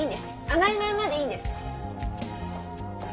甘いまんまでいいんです。